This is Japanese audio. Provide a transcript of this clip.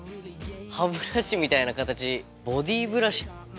歯ブラシみたいな形ボディーブラシ。